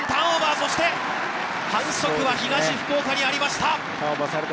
そして反則は東福岡にありました。